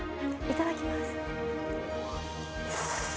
いただきます！